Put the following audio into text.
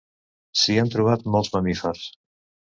S'hi han trobat molts mamífers.